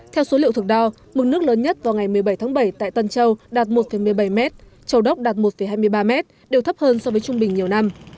theo số liệu thực đo mực nước lớn nhất vào ngày một mươi bảy tháng bảy tại tân châu đạt một một mươi bảy m châu đốc đạt một hai mươi ba m đều thấp hơn so với trung bình nhiều năm